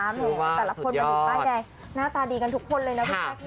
คือว่าสุดยอด